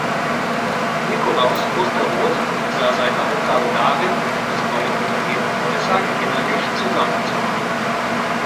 Nikolaus Osterroth sah seine Aufgabe darin, das neue Unternehmen Preussag innerlich zusammenzuhalten.